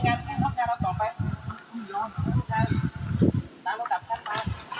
ตามตรงกลับกันค่ะ